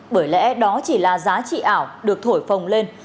bởi lẽ đó chỉ là giá trị ảo được thổi phồng lên